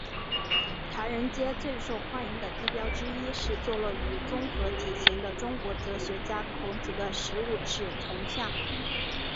唐人街最受欢迎的地标之一是坐落于综合体前的中国哲学家孔子的十五尺铜像。